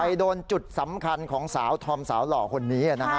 โดนจุดสำคัญของสาวธอมสาวหล่อคนนี้นะฮะ